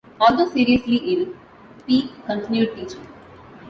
Although seriously ill, Peake continued teaching.